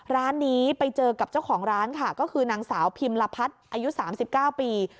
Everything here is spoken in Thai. ร้านนี้ไปเจอกับเจ้าของร้านค่ะก็คือนางสาวพิมลพัฒน์อายุ๓๙ปี